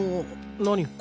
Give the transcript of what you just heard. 何か？